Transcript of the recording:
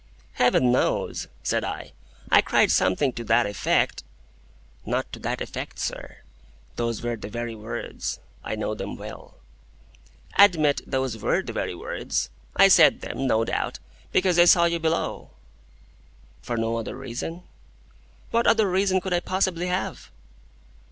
"Heaven knows," said I. "I cried something to that effect—" "Not to that effect, sir. Those were the very words. I know them well." "Admit those were the very words. I said them, no doubt, because I saw you below." "For no other reason?" "What other reason could I possibly have?"